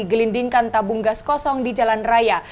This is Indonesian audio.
gelindingkan tabung gas kosong di jalan raya